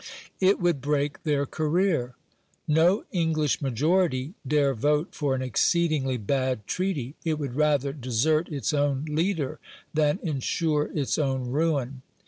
It would break their career. No English majority dare vote for an exceedingly bad treaty; it would rather desert its own leader than ensure its own ruin.